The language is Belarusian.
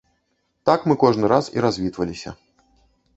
Так мы кожны раз і развітваліся.